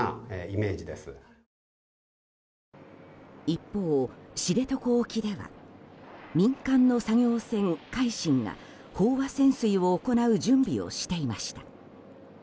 一方、知床沖では民間の作業船「海進」が飽和潜水を行う準備をしていました。